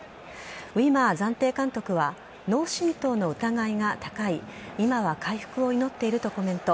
ウィマー暫定監督は脳振とうの疑いが高い今は回復を祈っているとコメント。